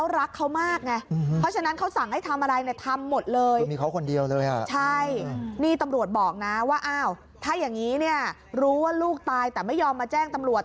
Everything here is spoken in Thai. รู้ว่าลูกตายแต่ไม่ยอมมาแจ้งตำรวจ